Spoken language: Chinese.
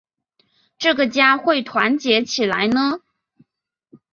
这个家会团结起来呢？